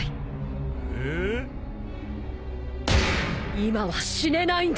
今は死ねないんだ。